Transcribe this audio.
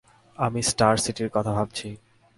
আমি স্টার সিটির কথা ভাবছি।